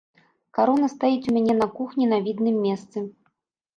Карона стаіць у мяне на кухні на відным месцы.